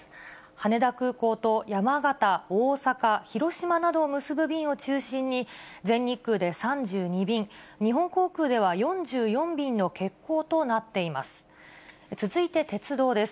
羽田空港と山形、大阪、広島などを結ぶ便を中心に、全日空で３２便、日本航空では４４便の欠航となっています。